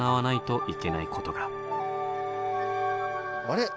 あれ？